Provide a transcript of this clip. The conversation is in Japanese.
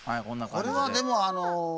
これはでもあの。